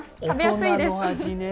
食べやすいです。